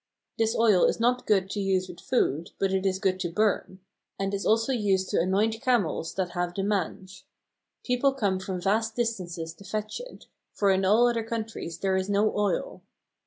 This oil is not good to use with food, but it is good to burn; and is also used to anoint camels that have the mange. People come from vast distances to fetch it, for in all other countries there is no oil."